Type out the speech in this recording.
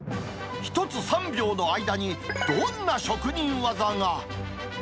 １つ３秒の間に、どんな職人技が。